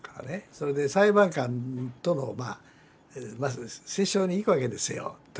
それで裁判官との折衝に行くわけですよ時々。